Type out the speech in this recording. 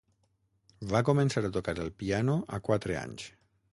Va començar a tocar el piano a quatre anys.